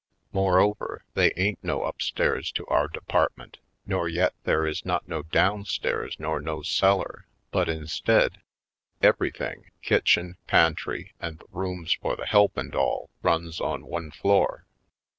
Moreover, they ain't no up stairs to our department nor yet there is not no downstairs nor no cellar, but instead, everything, kitchen, pantry, and the rooms for the help and all, runs on one floor.